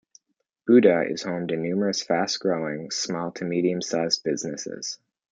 Buda is home to numerous fast-growing small- to medium-sized businesses.